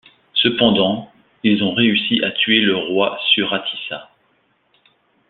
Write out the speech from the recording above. Cependant, ils ont réussi à tuer le roi Suratissa.